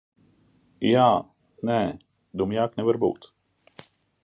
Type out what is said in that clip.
Jā, nē. Dumjāk nevar būt.